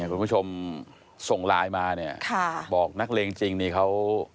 คุณผู้ชมส่งไลน์มาเนี่ยบอกนักเลงจริงนี่เขา